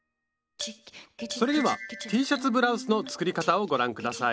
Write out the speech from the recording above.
それではＴシャツブラウスの作り方をご覧ください。